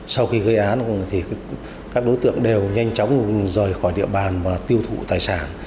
sau khi gây án thì các đối tượng đều nhanh chóng rời khỏi địa bàn và tiêu thụ tài sản